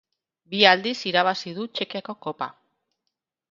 Bi aldiz irabazi du Txekiako Kopa.